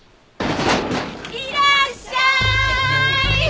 いらっしゃーい！